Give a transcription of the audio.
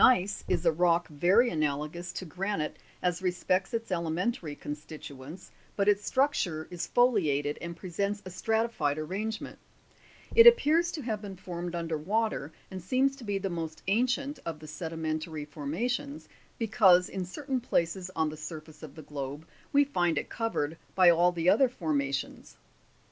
IS, Gneiss is a rock very analogous to granite as respects its elementary constituents, but its structure is foliated and presents a stratified arrangement ; it appears to have been formed under wa ter, and seems to be the most ancient of the sedimentary forma tions, because in certain places on the surface of the globe we find it covered by all the other formations.